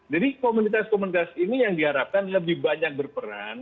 jadi komunitas komunitas ini yang diharapkan lebih banyak berperan